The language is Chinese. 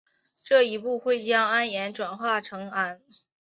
这一步会将铵盐转化成氨。